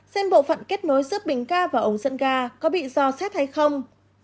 xem bộ phận kết nối giúp bình ga vào ống dẫn ga có bị do xét hay không